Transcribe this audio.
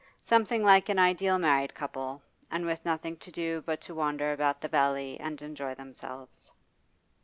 Something like an ideal married couple, and with nothing to do but to wander about the valley and enjoy themselves.